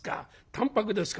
淡泊ですか。